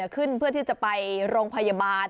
เพื่อที่จะไปโรงพยาบาล